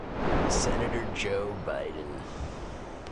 Senator Joe Biden.